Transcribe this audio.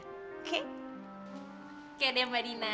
oke deh mbak dina